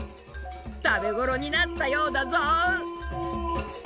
食べ頃になったようだぞ。